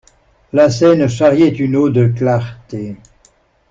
La Seine charriait une eau de clartés.